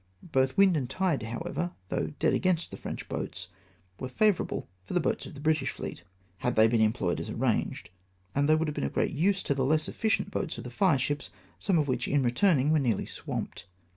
Both wind and tide, however, though dead against the French boats, were favourable for the boats of the British fleet, had they been employed as arranged ; and they would have been of great use to the less efficient boats of the fireships, some of which, in retm^ning, were nearly swamped.